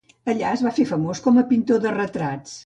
Allà es va fer famós com a pintor de retrats.